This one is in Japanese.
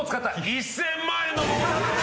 １，０００万円の桃タルト。